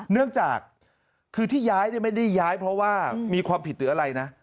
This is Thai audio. เนื่องจากคือที่ย้ายไม่ได้ย้ายเพราะว่ามีความผิดหรืออะไรนะ